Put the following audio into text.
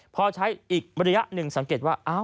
พอใช้อีกระยะหนึ่งสังเกตว่า